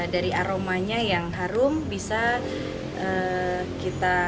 dari aromanya yang harum bisa kita